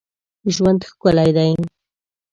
ژوند ښکلی دی